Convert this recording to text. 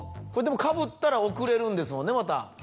これでもかぶったら送れるんですもんねまた。